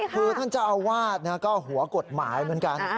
คือท่านเจ้าอาวาสก็หัวกฎหมายเหมือนกัน